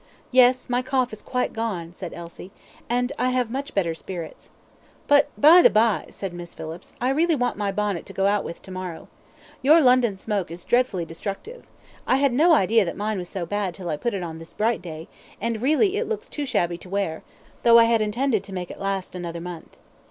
"Yes, my cough is quite gone," said Elsie; "and I have much better spirits." "But, by the by," said Miss Phillips, "I really want my bonnet to go out with tomorrow. Your London smoke is dreadfully destructive. I had no idea that mine was so bad till I put it on this bright day, and really it looks too shabby to wear, though I had intended to make it last another month.